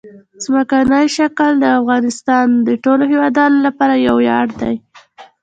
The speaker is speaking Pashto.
ځمکنی شکل د افغانستان د ټولو هیوادوالو لپاره یو ویاړ دی.